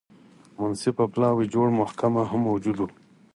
منصفه پلاوي جوړه محکمه هم موجوده وه.